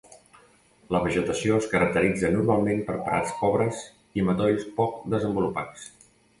La vegetació es caracteritza normalment per prats pobres i matolls poc desenvolupats.